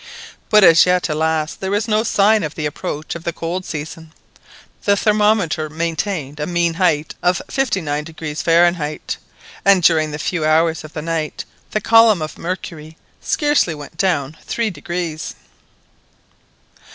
But as yet, alas! there was no sign of the approach of the cold season. The thermometer maintained a mean height of 59° Fahrenheit, and during the few hours of the night the column of mercury scarcely went down three degrees.